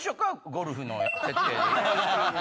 ゴルフの設定で。